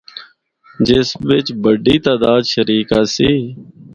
جس بچ ہک بڈی تعداد شریک آسی۔